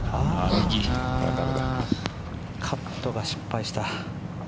カットが失敗した。